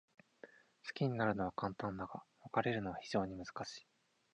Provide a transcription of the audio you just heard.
好きになるのは簡単だが、別れるのは非常に難しい。